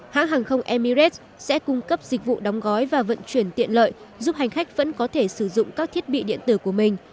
hãng hàng không emirates sẽ cung cấp dịch vụ đóng gói và vận chuyển tiện lợi giúp hành khách vẫn có thể sử dụng các thiết bị điện tử của mình